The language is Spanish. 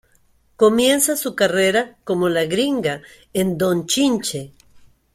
Comienza su carrera como "La Gringa" en "Don Chinche".